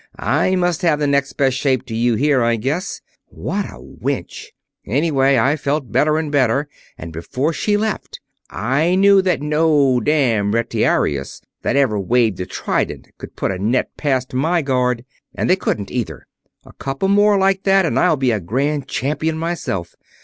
I must have the next best shape to you here, I guess. What a wench! Anyway, I felt better and better, and before she left I knew that no damn retiarius that ever waved a trident could put a net past my guard. And they couldn't either. A couple more like that and I'll be a Grand Champion myself.